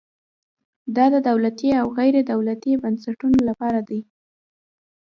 دا د دولتي او غیر دولتي بنسټونو لپاره دی.